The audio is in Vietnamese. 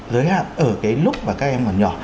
giới hạn ở cái lúc mà các em còn nhỏ